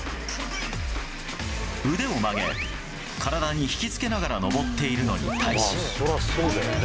腕を曲げ、体に引き付けながら登っているのに対し。